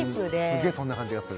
すげえそんな感じがする。